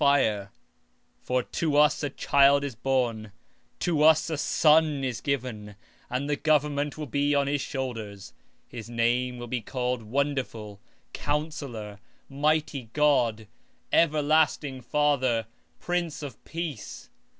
19:6 For unto us a child is born, unto us a son is given; and the government shall be upon his shoulder; and his name shall be called, Wonderful, Counselor, The Mighty God, The Everlasting Father, The Prince of Peace.